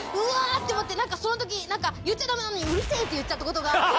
何かその時言っちゃダメなのに。って言っちゃったことがあって。